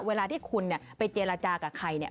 เวลาที่คุณเนี่ยไปเจรจากับใครเนี่ย